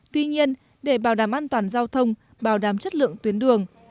tuy nhiên để bảo đảm an toàn giao thông bảo đảm chất lượng tuyến đường